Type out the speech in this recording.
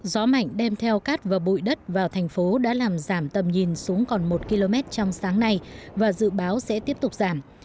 gió mạnh đem theo cát và bụi đất vào thành phố đã làm giảm tầm nhìn xuống còn một km trong sáng nay và dự báo sẽ tiếp tục giảm